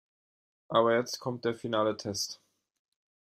Aber jetzt kommt der finale Test.